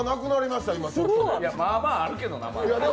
まあまああるけどな、まだ。